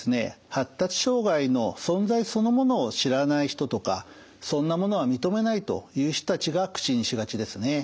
発達障害の存在そのものを知らない人とかそんなものは認めないという人たちが口にしがちですね。